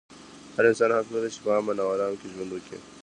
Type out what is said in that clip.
هر انسان حق لري چې په امن او ارام کې ژوند وکړي.